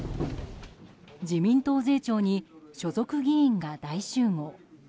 自民党税調に所属議員が大集合。